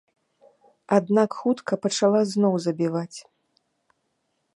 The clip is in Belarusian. Аднак хутка пачала зноў забіваць.